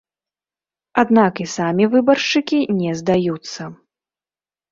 Аднак і самі выбаршчыкі не здаюцца.